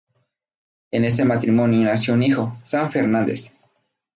De este matrimonio nació un hijo, Sam Fernández.